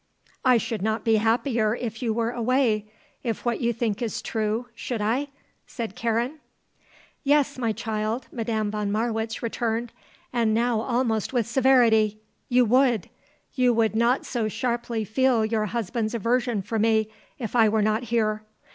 "I should not be happier if you were away if what you think is true, should I?" said Karen. "Yes, my child," Madame von Marwitz returned, and now almost with severity. "You would. You would not so sharply feel your husband's aversion for me if I were not here.